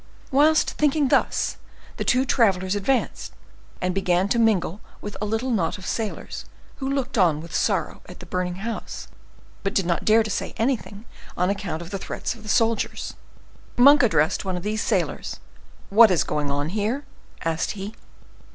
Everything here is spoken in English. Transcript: Whilst thinking thus, the two travelers advanced, and began to mingle with a little knot of sailors, who looked on with sorrow at the burning house, but did not dare to say anything on account of the threats of the soldiers. Monk addressed one of these sailors:—"What is going on here?" asked he.